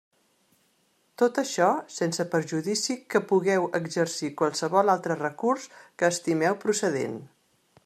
Tot això sense perjudici que pugueu exercir qualsevol altre recurs que estimeu procedent.